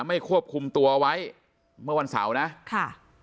ไม่ควบคุมตัวไว้เมื่อวันเสาร์นะค่ะ